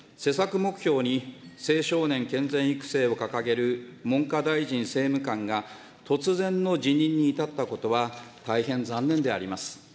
施策目標に、青少年健全育成を掲げる文科大臣政務官が突然の辞任に至ったことは、大変残念であります。